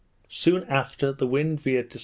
Soon after, the wind veered to S.